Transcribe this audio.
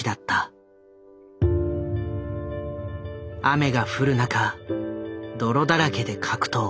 雨が降る中泥だらけで格闘。